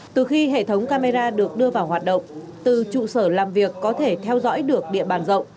từ khi hệ thống camera được đưa vào hoạt động từ trụ sở làm việc có thể theo dõi được địa bàn rộng